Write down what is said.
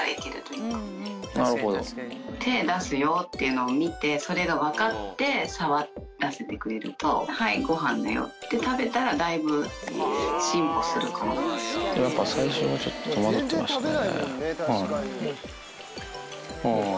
手出すよっていうのを分かって、見てそれが分からせてくれるとごはんだよって食べたら、だいぶ進やっぱ最初はちょっと戸惑ってましたね。